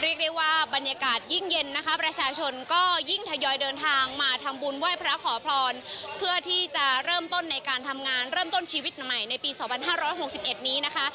เรียกได้ว่าบรรยากาศยิ่งเย็นนะคะประชาชนก็ยิ่งทยอยเดินทางมาทำบุญไหว้พระขอพรเพื่อที่จะเริ่มต้นในการทำงานเริ่มต้นชีวิตใหม่ในปี๒๕๖๑นี้นะคะ